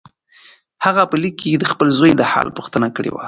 هغه په لیک کې د خپل زوی د حال پوښتنه کړې وه.